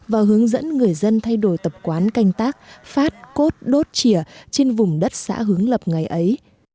và hướng dẫn người dân thay đổi tập quán canh tác phát cốt đốt chìa trên vùng đất xã hướng lập ngày ấy